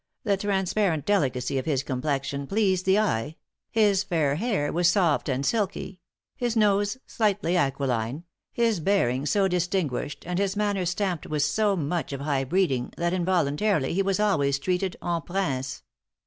The transparent delicacy of his complexion pleased the eye; his fair hair was soft and silky, his nose slightly aquiline, his bearing so distinguished and his manner stamped with so much of high breeding that involuntarily he was always treated en prince.